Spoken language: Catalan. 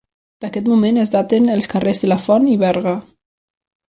D'aquest moment es daten els carrers de la Font i Berga.